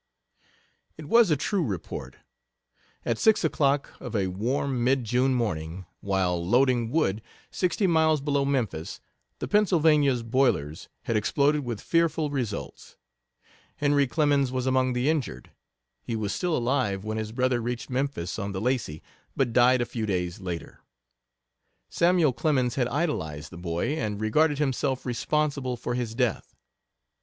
It was a true report. At six o'clock of a warm, mid June morning, while loading wood, sixty miles below Memphis, the Pennsylvania's boilers had exploded with fearful results. Henry Clemens was among the injured. He was still alive when his brother reached Memphis on the Lacey, but died a few days later. Samuel Clemens had idolized the boy, and regarded himself responsible for his death.